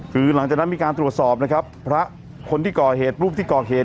คือหลังจากนั้นมีการตรวจสอบนะครับพระคนที่ก่อเหตุรูปที่ก่อเหตุ